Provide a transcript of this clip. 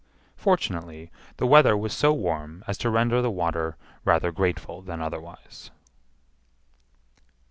Fortunately, the weather was so warm as to render the water rather grateful than otherwise.